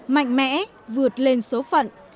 mạnh mẽ vượt lên số phận